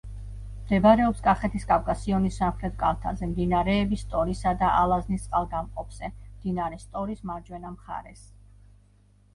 მდებარეობს კახეთის კავკასიონის სამხრეთ კალთაზე, მდინარეების სტორისა და ალაზნის წყალგამყოფზე, მდინარე სტორის მარჯვენა მხარეს.